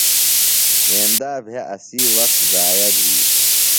ایندا بھےۡ اسی وخت ضائع بھی۔